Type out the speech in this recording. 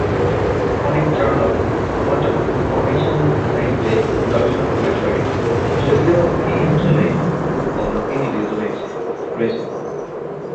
অনেক journal quantum information সায়েন্সে গবেষণা প্রকাশ করে, যদিও এই অঞ্চলে খুব কম লোকই নিবেদিত রয়েছে।